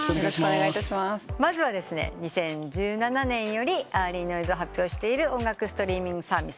まずはですね２０１７年よりＥａｒｌｙＮｏｉｓｅを発表している音楽ストリーミングサービス